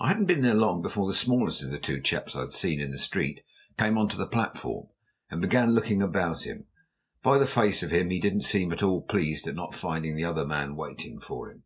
I hadn't been there long before the smallest of the two chaps I'd seen in the street came on to the platform, and began looking about him. By the face of him he didn't seem at all pleased at not finding the other man waiting for him.